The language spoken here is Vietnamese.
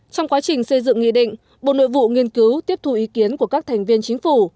trong quá trình xây dựng nghị định bộ nội vụ nghiên cứu tiếp thu ý kiến của các thành viên chính phủ